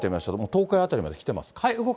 東海辺りまで来てます。